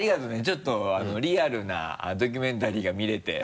ちょっとあのリアルなドキュメンタリーが見れて。